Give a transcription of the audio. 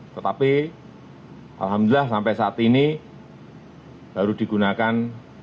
tetapi alhamdulillah sampai saat ini baru digunakan empat ratus